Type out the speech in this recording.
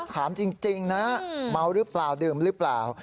ถามจริงนะเมาหรือเปล่าดื่มหรือเปล่า